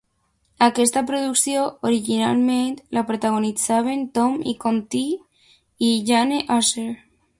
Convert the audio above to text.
Aquesta producció originalment la protagonitzaven Tom Conti i Jane Asher.